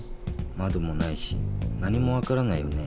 まどもないし何もわからないよね。